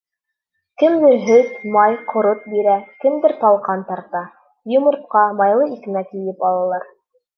Кемдер һөт, май, ҡорот бирә, кемдер талҡан тарта; йомортҡа, майлы икмәк йыйып алалар.